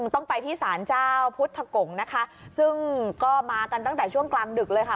ต้องไปที่ศาลเจ้าพุทธกงนะคะซึ่งก็มากันตั้งแต่ช่วงกลางดึกเลยค่ะ